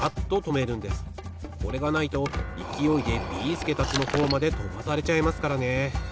これがないといきおいでビーすけたちのほうまでとばされちゃいますからね。